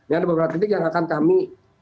yang akan kami